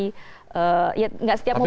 tapi faktanya setiap pemilu